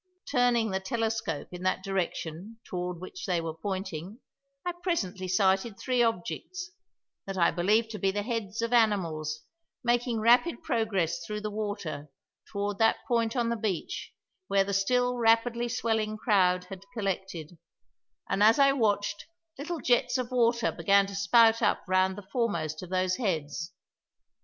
Turning the telescope in the direction toward which they were pointing, I presently sighted three objects, that I believed to be the heads of animals, making rapid progress through the water toward that point on the beach where the still rapidly swelling crowd had collected, and, as I watched, little jets of water began to spout up round the foremost of those heads.